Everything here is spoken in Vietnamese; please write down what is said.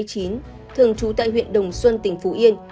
thường trú tại huyện đồng xuân tỉnh phú yên